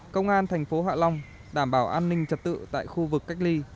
công an thành phố hạ long đảm bảo an ninh trật tự tại khu vực cách ly